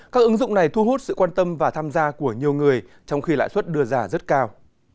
các ứng dụng này thu hút sự quan tâm và tham gia của nhiều người trong khi lãi suất đưa ra rất cao